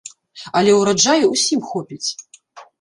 Але ўраджаю ўсім хопіць.